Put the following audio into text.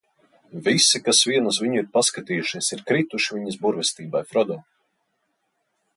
Visi, kas vien uz viņu ir paskatījušies, ir krituši viņas burvestībai, Frodo!